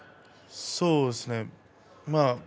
そうですねまあ